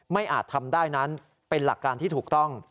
อาจทำได้นั้นเป็นหลักการที่ถูกต้อง